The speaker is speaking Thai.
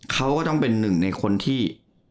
เขาก็ต้องเป็นหนึ่งในคนที่